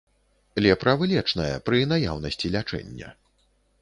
Лепра вылечная, пры наяўнасці лячэння.